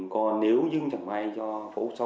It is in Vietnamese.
còn nếu chẳng ai cho phẫu thuật